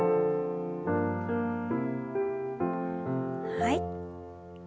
はい。